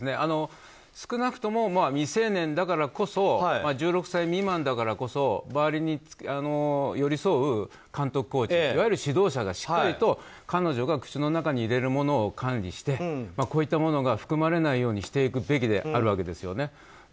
少なくとも未成年だからこそ１６歳未満だからこそ周りに寄り添う監督、コーチ、いわゆる指導者が彼女が口の中に入れるものを管理して、こういったものが含まれないようにしていくべきなわけですよね。